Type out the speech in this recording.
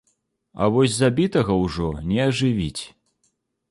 А вось забітага ўжо не ажывіць.